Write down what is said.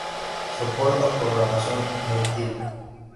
Soporta programación multihilo.